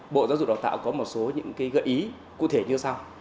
bộ giáo dục và đào tạo có một số gợi ý cụ thể như sau